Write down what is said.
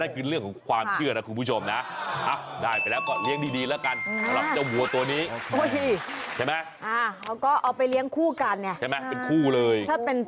เขาจะได้รับบุญนี้ไปด้วย